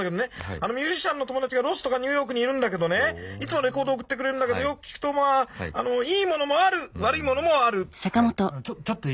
あのミュージシャンの友達がロスとかニューヨークにいるんだけどねいつもレコード送ってくれるんだけどよく聴くとまああのでもね